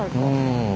うん。